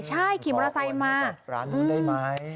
ใช่ขี่มอเตอร์ไซค์มาร้านนู้นได้ไหม